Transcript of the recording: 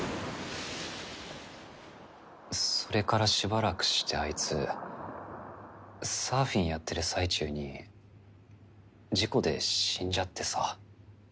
それからしばらくしてあいつサーフィンやってる最中に事故で死んじゃってさ。